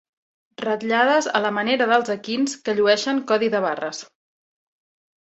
Ratllades a la manera dels equins que llueixen codi de barres.